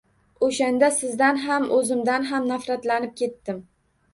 Oʻshanda sizdan ham, oʻzimdan ham nafratlanib ketdim.